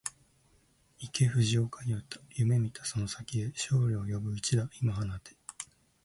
行け藤岡裕大、夢見たその先へ、勝利を呼ぶ一打、今放て